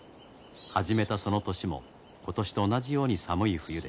始めたその年も今年と同じように寒い冬でした。